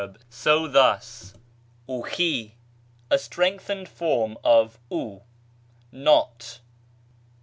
so, thus. οὐχί (a strengthened form of οὐ), not.